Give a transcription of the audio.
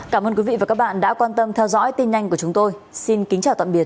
cảm ơn quý vị và các bạn đã quan tâm theo dõi tin nhanh của chúng tôi xin kính chào tạm biệt